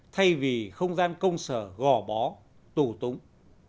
thay vì không gian công sở gò bó tù túng